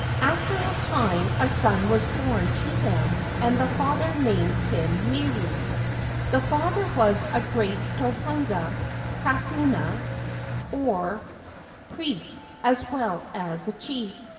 After a time a son was born to them and the father named him Miru. This father was a great tohunga (kahuna), or 242 DESCRIPTION priest, as well as a chief.